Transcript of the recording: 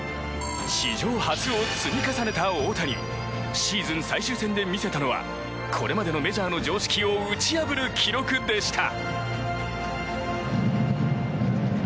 史上初を積み重ねた大谷シーズン最終戦で見せたのはこれまでのメジャーの常識を打ち破る記録でした。